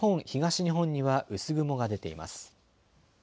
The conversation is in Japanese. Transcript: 東日本には薄雲が出ています。